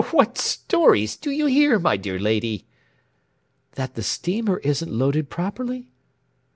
"What stories do you hear, my dear lady?" "That the steamer isn't loaded properly?"